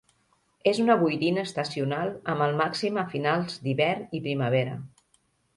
És una boirina estacional amb el màxim a finals d'hivern i primavera.